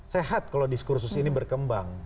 sehat kalau diskursus ini berkembang